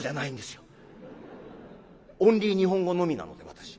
オンリー日本語のみなので私。